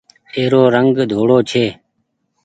اي رو رنگ ڌوڙو ڇي۔